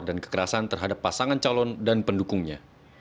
dan kekerasan terhadap pasangan calon dan pendukungnya